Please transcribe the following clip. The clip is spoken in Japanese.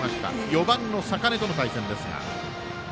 ４番の坂根との対戦ですが。